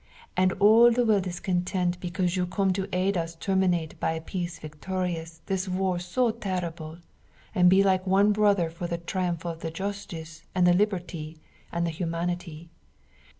And all the world is content because you come to aid us terminate by a peace victorious this war so terrible, and be like one brother for the triumph of the Justice, and the Liberty, and the Humanity.